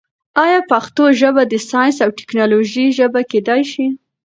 آیا پښتو ژبه د ساینس او ټیکنالوژۍ ژبه کېدای شي؟